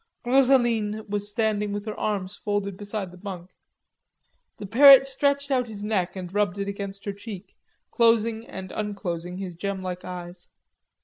Rosaline was standing with her arms folded beside the bunk. The parrot stretched out his neck and rubbed it against her cheek, closing and unclosing his gem like eyes.